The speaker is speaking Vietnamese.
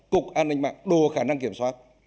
cục an ninh mạng đủ khả năng kiểm soát